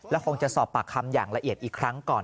คงจะสอบปากคำอย่างละเอียดอีกครั้งก่อน